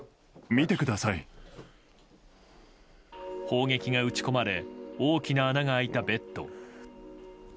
砲撃が撃ち込まれ大きな穴が開いたベッド。